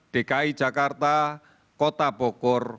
dki jakarta kota bogor